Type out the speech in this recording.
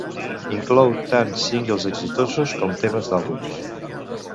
Inclou tant singles exitosos com temes d'àlbums.